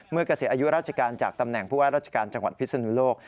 เมื่อกระเสร็จอายุราชการจากตำแหน่งพูดว่าราชการจังหวัดพิสุนุโลก